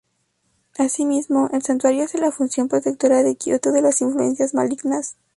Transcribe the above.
Así mismo, el Santuario hace la función protectora de Kioto de las influencias malignas.